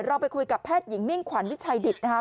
เราไปคุยกับแพทย์หญิงมิ่งขวัญวิชัยดิตนะครับ